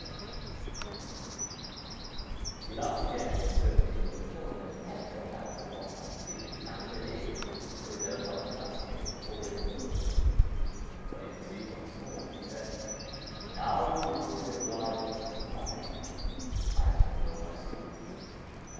And he laughed again in his certainty that no one had ever got down to the bottom of the sea, and that if they did, they would never find the casket, or be able to open it. When he could speak once more, he said, 'Now you will be obliged to marry me, as you know my secret.